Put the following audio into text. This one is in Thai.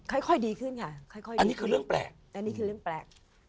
อันนี้คือเรื่องแปลก